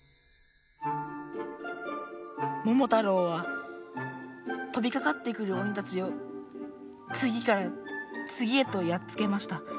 「ももたろうはとびかかってくる鬼たちをつぎからつぎへとやっつけました。